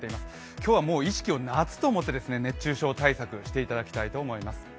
今日は意識を夏と思って熱中症対策していただきたいと思います。